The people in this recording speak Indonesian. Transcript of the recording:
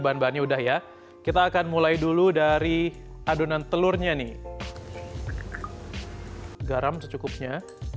bahan bahannya udah ya kita akan mulai dulu dari adonan telurnya nih garam secukupnya